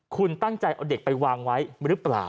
คุณตั้งใจเอาเด็กไปวางไว้หรือเปล่า